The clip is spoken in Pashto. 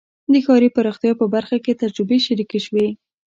د ښاري پراختیا په برخه کې تجربې شریکې شوې.